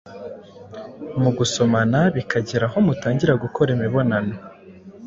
mu gasomana bikageraho mutangira gukora imibonano